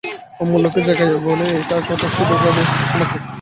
অমূল্যকে জাগাইয়া বলে, একটা কথা শুধোই বাবু তোমাকে।